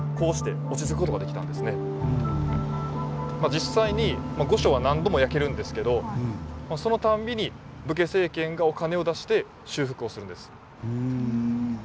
実際に御所は何度も焼けるんですけどそのたんびに武家政権がお金を出して修復をするんです。